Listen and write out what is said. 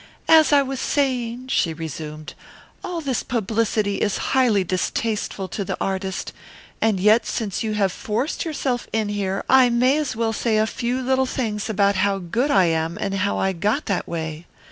"As I was saying," she resumed, "all this publicity is highly distasteful to the artist, and yet since you have forced yourself in here I may as well say a few little things about how good I am and how I got that way.